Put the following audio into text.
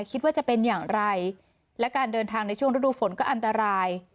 คิดว่าจะเป็นอย่างไรและการเดินทางในช่วงฤดูฝนก็อันตราย